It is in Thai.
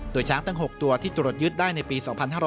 โดยช้างทั้ง๖ตัวที่ตรวจยึดได้ในปี๒๕๕๙